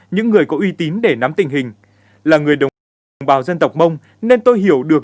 những người có uy tín để nắm tình hình là người đồng bào đồng bào dân tộc mông nên tôi hiểu được